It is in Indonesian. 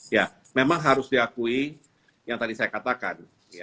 ya memang harus diakui yang tadi saya katakan